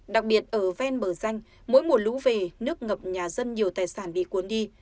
đặc biệt ở ven bờ danh mỗi mùa lũ về nước ngập nhà dân nhiều tài sản bị cuốn đi